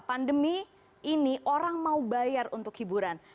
pandemi ini orang mau bayar untuk hiburan